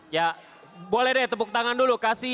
ya boleh deh tepuk tangan dulu kasih